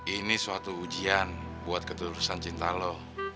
ini suatu ujian buat ketulusan cinta lo